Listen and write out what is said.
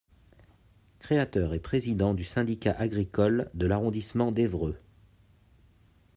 Créateur et président du syndicat agricole de l'arrondissement d'Évreux.